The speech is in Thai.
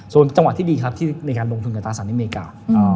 ส่วนจังหวะที่ดีครับที่ในการลงทุนกับตราสารอเมริกา